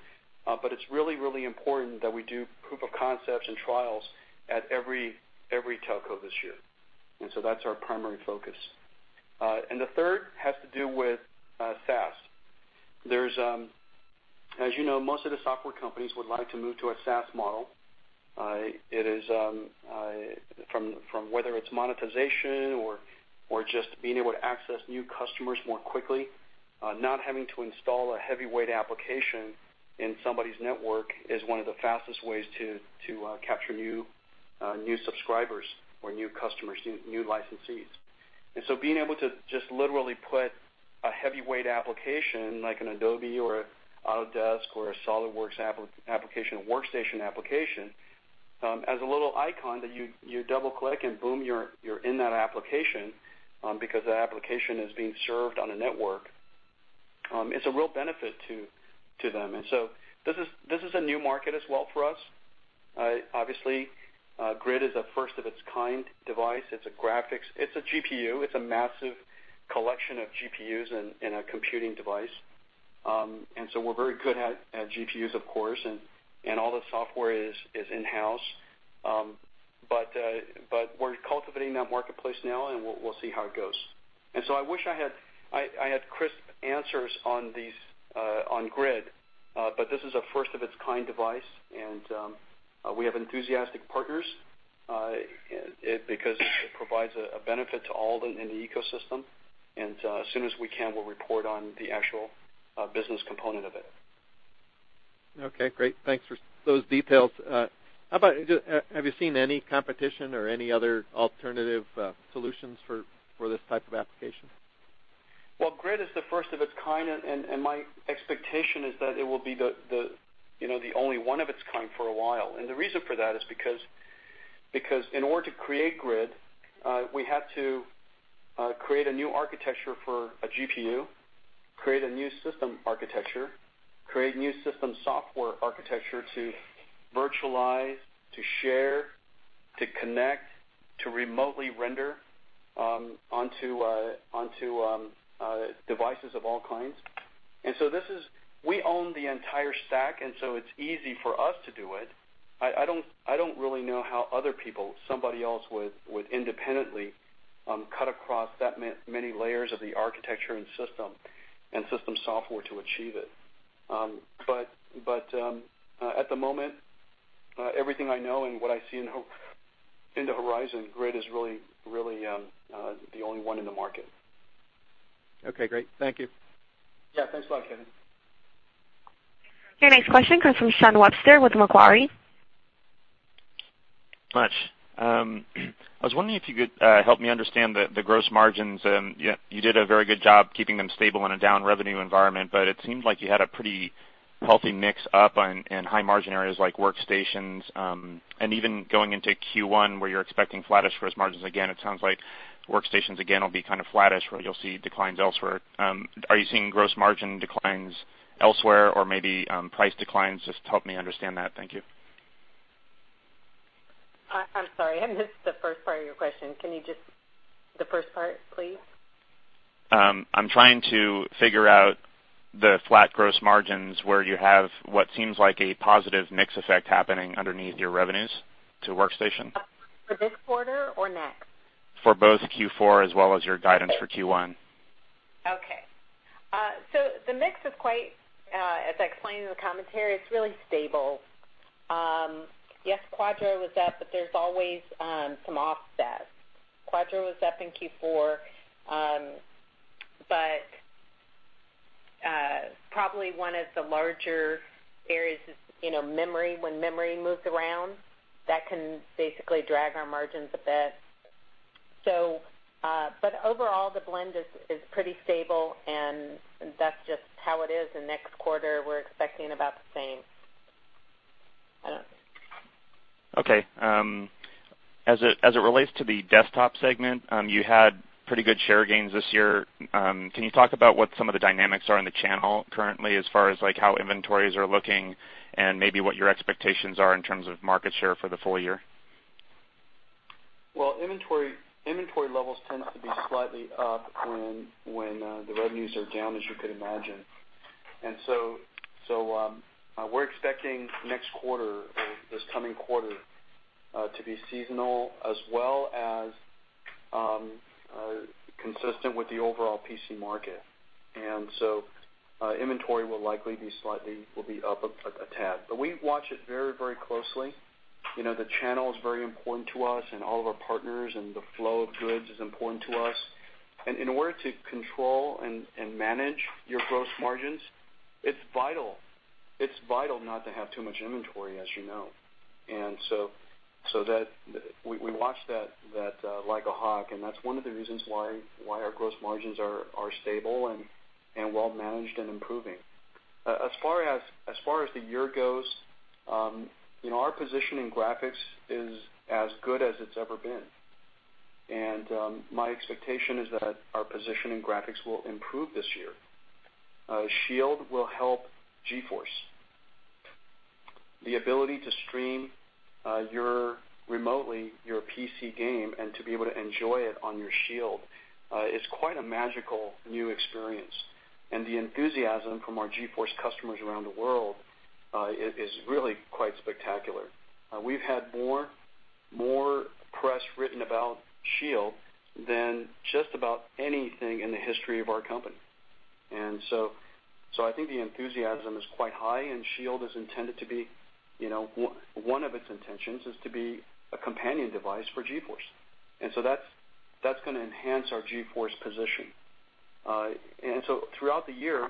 but it's really, really important that we do proof of concepts and trials at every telco this year. That's our primary focus. The third has to do with SaaS. As you know, most of the software companies would like to move to a SaaS model. From whether it's monetization or just being able to access new customers more quickly, not having to install a heavyweight application in somebody's network is one of the fastest ways to capture new subscribers or new customers, new licensees. Being able to just literally put a heavyweight application like an Adobe or an Autodesk or a SolidWorks application, a workstation application, as a little icon that you double-click and boom, you're in that application because that application is being served on a network, it's a real benefit to them. This is a new market as well for us. Obviously, Grid is a first-of-its-kind device. It's a graphics, it's a GPU, it's a massive collection of GPUs in a computing device. We're very good at GPUs, of course, and all the software is in-house. We're cultivating that marketplace now, and we'll see how it goes. I wish I had crisp answers on Grid, but this is a first-of-its-kind device, and we have enthusiastic partners because it provides a benefit to all in the ecosystem. As soon as we can, we'll report on the actual business component of it. Okay, great. Thanks for those details. Have you seen any competition or any other alternative solutions for this type of application? Well, Grid is the first of its kind, and my expectation is that it will be the only one of its kind for a while. The reason for that is because in order to create Grid, we had to create a new architecture for a GPU, create a new system architecture, create new system software architecture to virtualize, to share, to connect, to remotely render onto devices of all kinds. We own the entire stack, so it's easy for us to do it. I don't really know how other people, somebody else would independently cut across that many layers of the architecture and system software to achieve it. At the moment, everything I know and what I see in the horizon, Grid is really the only one in the market. Okay, great. Thank you. Yeah. Thanks a lot, Kevin. Your next question comes from Shawn Webster with Macquarie. Thanks. I was wondering if you could help me understand the gross margins. You did a very good job keeping them stable in a down revenue environment. It seemed like you had a pretty healthy mix-up in high margin areas like workstations. Even going into Q1, where you're expecting flattish gross margins again, it sounds like workstations again will be flattish where you'll see declines elsewhere. Are you seeing gross margin declines elsewhere or maybe price declines? Just help me understand that. Thank you. I'm sorry, I missed the first part of your question. Can you just, the first part, please? I'm trying to figure out the flat gross margins where you have what seems like a positive mix effect happening underneath your revenues to workstation. For this quarter or next? For both Q4 as well as your guidance for Q1. The mix is quite, as I explained in the commentary, it's really stable. Yes, Quadro was up, but there's always some offsets. Quadro was up in Q4, but probably one of the larger areas is memory. When memory moves around, that can basically drag our margins a bit. Overall, the blend is pretty stable, and that's just how it is, and next quarter, we're expecting about the same. Okay. As it relates to the desktop segment, you had pretty good share gains this year. Can you talk about what some of the dynamics are in the channel currently as far as how inventories are looking and maybe what your expectations are in terms of market share for the full year? Well, inventory levels tend to be slightly up when the revenues are down, as you could imagine. We're expecting next quarter or this coming quarter to be seasonal as well as consistent with the overall PC market. Inventory will likely be slightly up a tad. We watch it very, very closely. The channel is very important to us and all of our partners and the flow of goods is important to us. In order to control and manage your gross margins, it's vital not to have too much inventory, as you know. We watch that like a hawk, and that's one of the reasons why our gross margins are stable and well-managed and improving. As far as the year goes, our position in graphics is as good as it's ever been. My expectation is that our position in graphics will improve this year. Shield will help GeForce. The ability to stream remotely your PC game and to be able to enjoy it on your Shield is quite a magical new experience. The enthusiasm from our GeForce customers around the world is really quite spectacular. We've had more press written about Shield than just about anything in the history of our company. I think the enthusiasm is quite high, and Shield, one of its intentions is to be a companion device for GeForce. That's going to enhance our GeForce position. Throughout the year,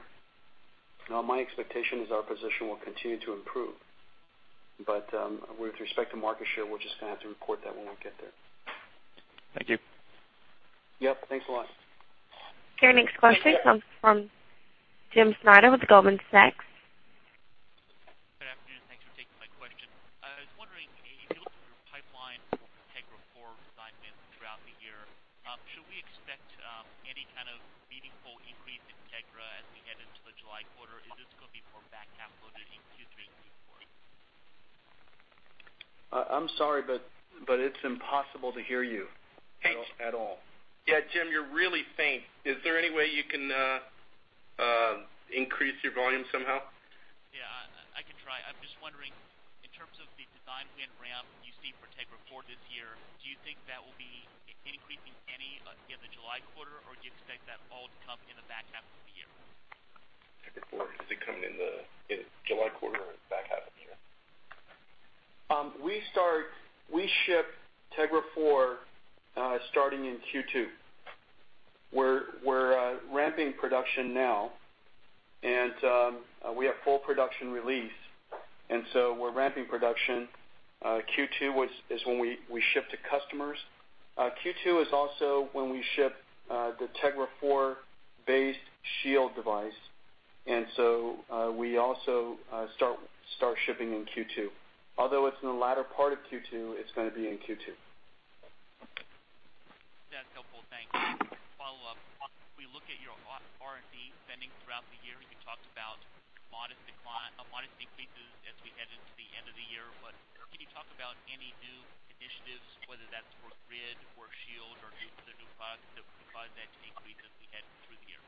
my expectation is our position will continue to improve. With respect to market share, we're just going to have to report that when we get there. Thank you. Yep. Thanks a lot. Okay. Next question comes from James Schneider with Goldman Sachs. Good afternoon. Thanks for taking my question. I was wondering, if you look at your pipeline for Tegra 4 design wins throughout the year, should we expect any kind of meaningful increase in Tegra as we head into the July quarter, or is this going to be more back half-loaded into Q3 and Q4? I'm sorry, it's impossible to hear you at all. Yeah, Jim, you're really faint. Is there any way you can increase your volume somehow? Yeah, I can try. I'm just wondering, in terms of the design win ramp you see for Tegra 4 this year, do you think that will be increasing any in the July quarter, or do you expect that all to come in the back half of the year? Tegra 4, is it coming in the July quarter or the back half of the year? We ship Tegra 4 starting in Q2. We're ramping production now, and we have full production release. We're ramping production. Q2 is when we ship to customers. Q2 is also when we ship the Tegra 4-based Shield device. We also start shipping in Q2. Although it's in the latter part of Q2, it's going to be in Q2. That's helpful. Thanks. Follow up, if we look at your R&D spending throughout the year, you talked about modest increases as we head into the end of the year. Can you talk about any new initiatives, whether that's for Grid or Shield, that would cause that increase as we head through the year?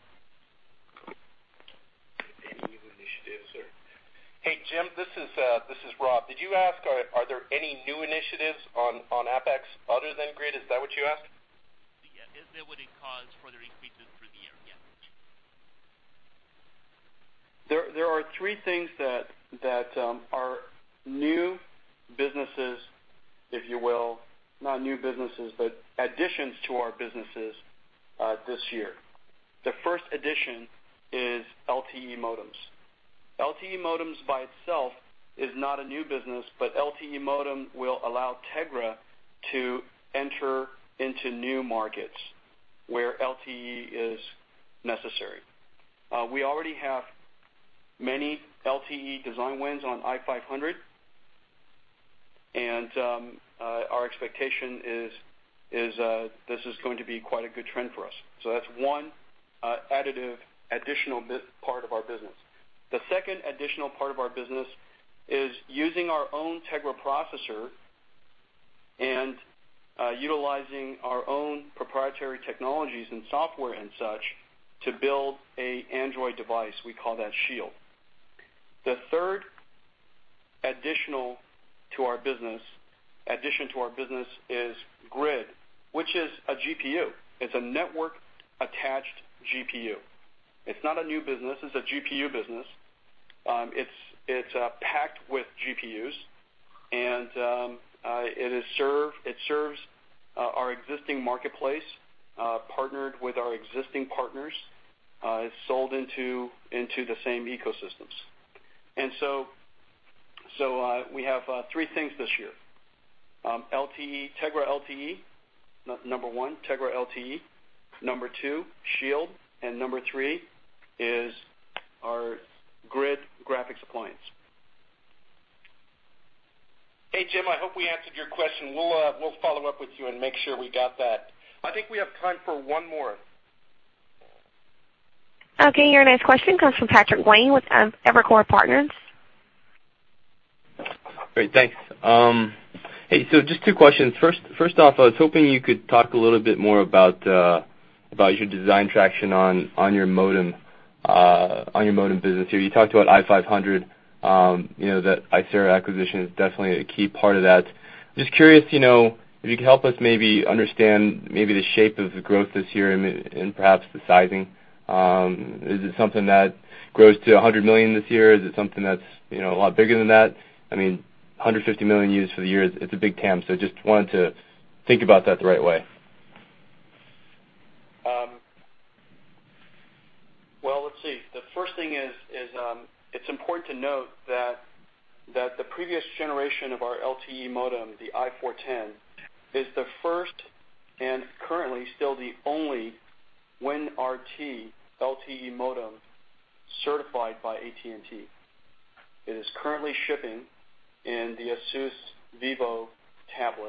Any new initiatives or Hey, Jim, this is Rob. Did you ask, are there any new initiatives on APEX other than Grid? Is that what you asked? Yeah. Is there what it calls further increases through the year? Yeah. There are three things that are new businesses, if you will, not new businesses, but additions to our businesses this year. The first addition is LTE modems. LTE modems by itself is not a new business, but LTE modem will allow Tegra to enter into new markets where LTE is necessary. We already have many LTE design wins on i500, and our expectation is this is going to be quite a good trend for us. That's one additive, additional part of our business. The second additional part of our business is using our own Tegra processor and utilizing our own proprietary technologies and software and such to build an Android device. We call that Shield. The third addition to our business is Grid, which is a GPU. It's a network-attached GPU. It's not a new business. It's a GPU business. It's packed with GPUs, and it serves our existing marketplace, partnered with our existing partners. It's sold into the same ecosystems. We have three things this year. Tegra LTE, number one, Tegra LTE. Number two, Shield, and number three is our Grid graphics appliance. Hey, Jim, I hope we answered your question. We'll follow up with you and make sure we got that. I think we have time for one more. Okay. Your next question comes from Patrick Wang with Evercore Partners. Great, thanks. Hey, just two questions. First off, I was hoping you could talk a little bit more about your design traction on your modem business here. You talked about i500, that Icera acquisition is definitely a key part of that. Just curious, if you could help us maybe understand maybe the shape of the growth this year and perhaps the sizing. Is it something that grows to $100 million this year? Is it something that's a lot bigger than that? I mean, 150 million units for the year, it's a big TAM, just wanted to think about that the right way. Well, let's see. The first thing is, it's important to note that the previous generation of our LTE modem, the Icera 410, is the first and currently still the only WinRT LTE modem certified by AT&T. It is currently shipping in the Asus VivoTab,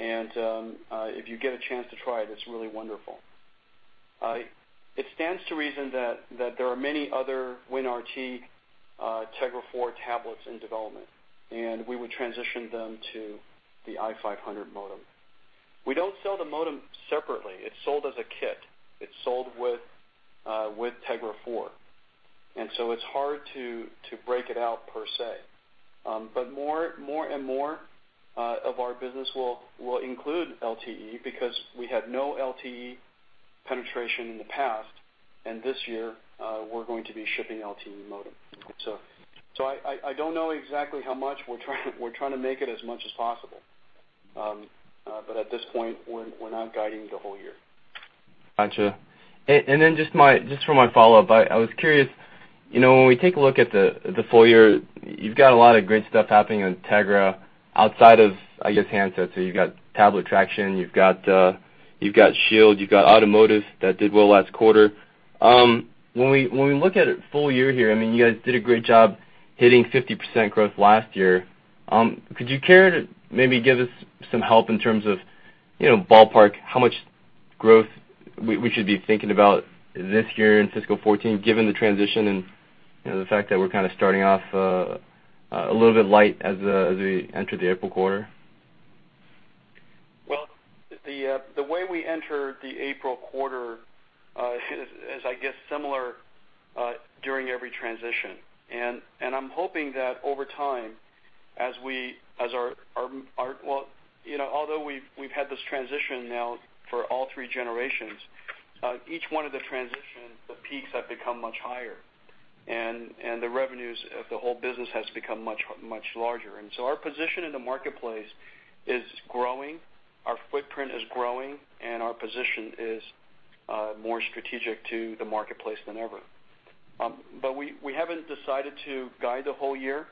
and if you get a chance to try it's really wonderful. It stands to reason that there are many other WinRT Tegra 4 tablets in development, and we would transition them to the i500 modem. We don't sell the modem separately. It's sold as a kit. It's sold with Tegra 4, it's hard to break it out per se. More and more of our business will include LTE because we had no LTE penetration in the past, and this year we're going to be shipping LTE modem. I don't know exactly how much. We're trying to make it as much as possible. At this point, we're not guiding the whole year. Got you. Just for my follow-up, I was curious, when we take a look at the full year, you've got a lot of great stuff happening on Tegra outside of, I guess, handsets. You've got tablet traction, you've got Shield, you've got automotive that did well last quarter. When we look at it full year here, you guys did a great job hitting 50% growth last year. Could you care to maybe give us some help in terms of ballpark how much growth we should be thinking about this year in fiscal 2014, given the transition and the fact that we're kind of starting off a little bit light as we enter the April quarter? The way we enter the April quarter is, I guess, similar during every transition, I'm hoping that over time, although we've had this transition now for all three generations, each one of the transitions, the peaks have become much higher and the revenues of the whole business has become much larger. Our position in the marketplace is growing, our footprint is growing, and our position is more strategic to the marketplace than ever. We haven't decided to guide the whole year.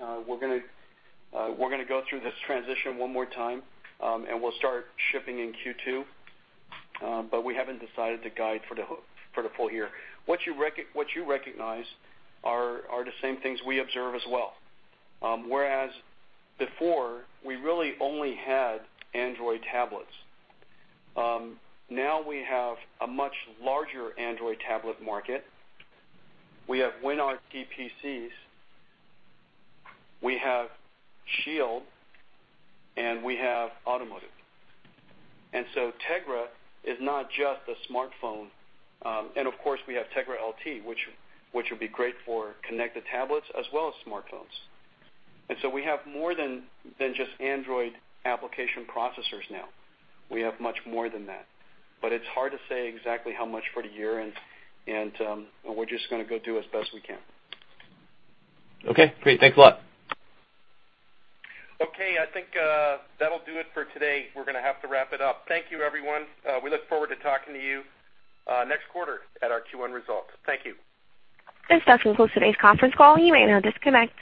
We're going to go through this transition one more time, we'll start shipping in Q2, we haven't decided to guide for the full year. What you recognize are the same things we observe as well, whereas before we really only had Android tablets. Now we have a much larger Android tablet market. We have WinRT PCs, we have Shield, we have automotive. Tegra is not just a smartphone. Of course, we have Tegra 4i, which would be great for connected tablets as well as smartphones. We have more than just Android application processors now. We have much more than that. It's hard to say exactly how much for the year, we're just going to go do as best we can. Great. Thanks a lot. Okay. I think that'll do it for today. We're going to have to wrap it up. Thank you, everyone. We look forward to talking to you next quarter at our Q1 results. Thank you. This does conclude today's conference call. You may now disconnect.